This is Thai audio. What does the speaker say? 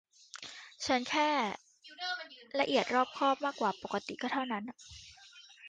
ฉันแค่ละเอียดรอบคอบมากกว่าปกติก็เท่านั้น